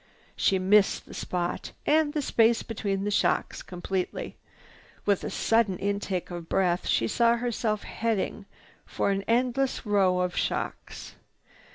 She missed the spot and the space between the shocks completely. With a sudden intake of breath, she saw herself headed for an endless row of shocks.